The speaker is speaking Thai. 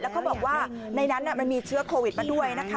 แล้วเขาบอกว่าในนั้นมีเชื้อโควิด